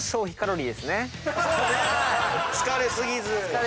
疲れ過ぎず。